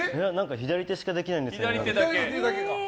左手しかできないんですよね。